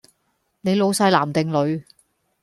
你老細男定女？